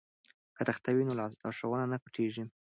که تخته وي نو لارښوونه نه پټیږي.